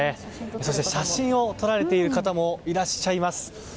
そして写真を撮られている方もいらっしゃいます。